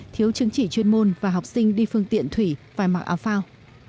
thiếu chứng chỉ chuyên môn và học sinh đi phương tiện thủy và mặc áo phao